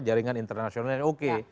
jaringan internasionalnya oke